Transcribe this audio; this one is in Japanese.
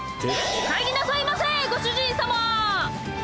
おかえりなさいませご主人様！